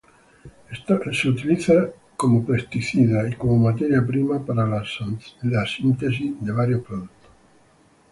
Es utilizado como pesticida y como materia prima para la síntesis de varios productos.